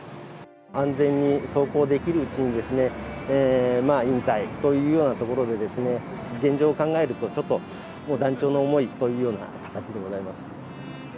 安全に走行できるうちに、引退というようなところで、現状を考えると、ちょっと断腸の思いというような形でございます。